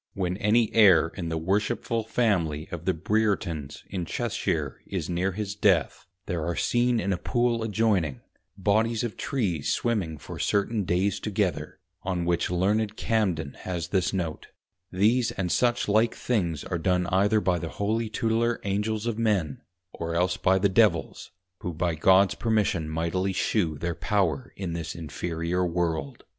When any Heir in the Worshipful Family of the Breertons in Cheshire is near his Death, there are seen in a Pool adjoyning, Bodies of Trees swimming for certain days together, on which Learned Cambden has this note, _These and such like things are done either by the Holy Tutelar Angels of Men, or else by the Devils, who by Gods Permission mightily shew their Power in this Inferiour World.